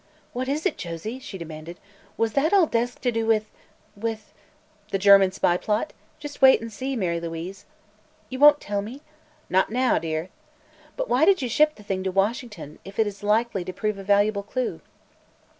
"What is it, Josie!" she demanded. "What has that old desk to do with with " "The German spy plot? Just wait and see, Mary Louise." "You won't tell me?" "Not now, dear." "But why did you ship the thing to Washington, if it is likely to prove a valuable clue?"